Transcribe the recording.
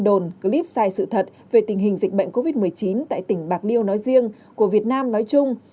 đồn clip sai sự thật về tình hình dịch bệnh covid một mươi chín tại tỉnh bạc liêu nói riêng của việt nam nói chung